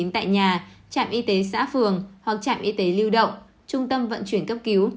tại nhà trạm y tế xã phường hoặc trạm y tế lưu động trung tâm vận chuyển cấp cứu